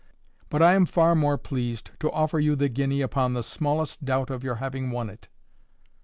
"But I am far more pleased to offer you the guinea upon the smallest doubt of your having won it."